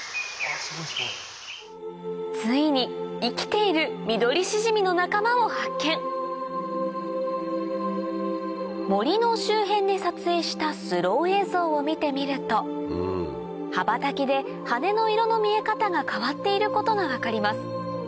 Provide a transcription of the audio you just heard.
ついに生きているミドリシジミの仲間を発見森の周辺で撮影したスロー映像を見てみると羽ばたきで羽の色の見え方が変わっていることが分かります